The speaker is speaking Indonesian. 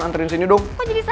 nganterin sini dong